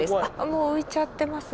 もう浮いちゃってますね。